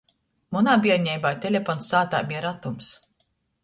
Munā bierneibā telepons sātā beja ratums.